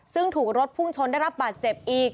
ซึ่งถูกรถพุ่งชนได้รับบาดเจ็บอีก